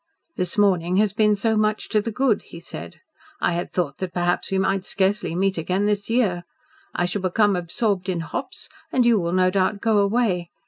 "This morning has been so much to the good," he said. "I had thought that perhaps we might scarcely meet again this year. I shall become absorbed in hops and you will no doubt go away.